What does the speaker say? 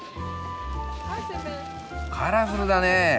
カラフルだねえ！